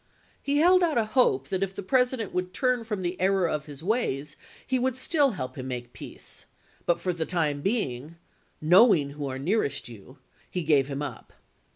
He held out a hope that if the Presi dent would turn from the error of his ways he to Lincoln, would still help him make peace ; but for the time Aug. 8,1864. ,.,/,., MS being, "knowing who are nearest you," he gave him up.